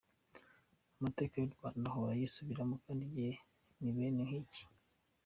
Amateka y’u Rwanda ahora yisubiramo kandi igihe ni bene nk’iki.